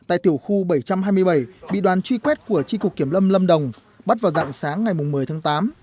tại tiểu khu bảy trăm hai mươi bảy bị đoàn truy quét của tri cục kiểm lâm lâm đồng bắt vào dạng sáng ngày một mươi tháng tám